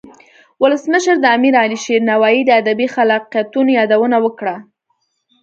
ولسمشر د امیر علي شیر نوایی د ادبی خلاقیتونو یادونه وکړه.